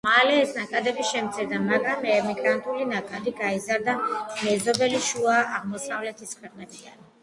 მალე ეს ნაკადები შემცირდა, მაგრამ ემიგრანტული ნაკადი გაიზარდა მეზობელი შუა აღმოსავლეთის ქვეყნებიდან.